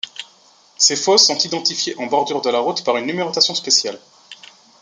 Ces fosses sont identifiées en bordure de la route par une numérotation spéciale.